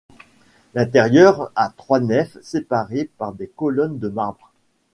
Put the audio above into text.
L'intérieur a trois nefs séparées par des colonnes de marbre.